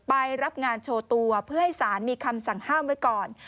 ไปรับงานโชว์ตัวเพื่อให้สารมีคำสั่งห้ามไว้ก่อน